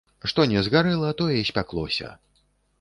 Што не згарэла, тое спяклося.